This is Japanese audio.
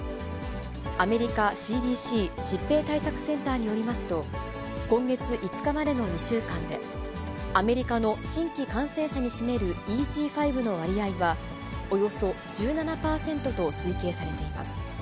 アメリカＣＤＣ・疾病対策センターによりますと、今月５日までの２週間で、アメリカの新規感染者に占めるＥＧ．５の割合はおよそ１７％と推定されています。